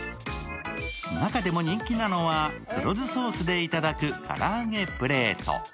中でも人気なのは、黒酢ソースでいただく唐揚げプレート。